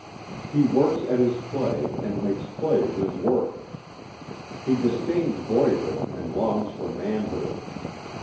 He works at his play and makes play of his work. He disdains boyhood and longs for manhood.